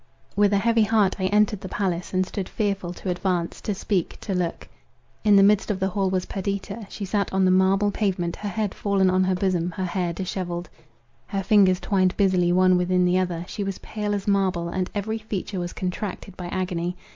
With an heavy heart I entered the palace, and stood fearful to advance, to speak, to look. In the midst of the hall was Perdita; she sat on the marble pavement, her head fallen on her bosom, her hair dishevelled, her fingers twined busily one within the other; she was pale as marble, and every feature was contracted by agony.